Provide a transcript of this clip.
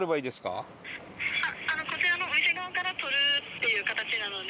「こちらのお店側から取るっていう形なので」